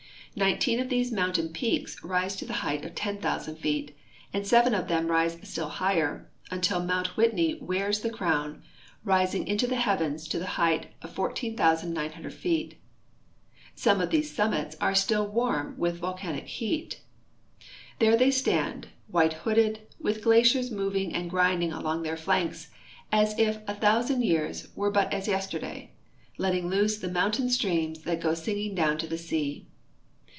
Nineteen of these mountain peaks rise to the height of 10,000 feet, and seven of them rise still higher, until mount Whitney wears the crown, rising into the heavens to the height of 14,900 feet. Some of these summits are still warm with volcanic heat. There they stand, white hooded, with glaciers moving and grinding along their flanks, as if a thousand years were but as yesterday, letting loose the mountain streams that go singing down to the sea.